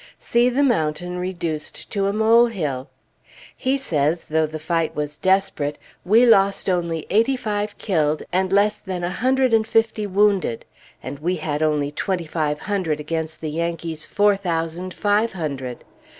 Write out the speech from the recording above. See the mountain reduced to a mole hill! He says, though the fight was desperate, we lost only eighty five killed, and less than a hundred and fifty wounded! And we had only twenty five hundred against the Yankees' four thousand five hundred.